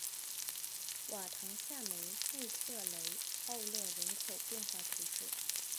瓦唐下梅内特雷奥勒人口变化图示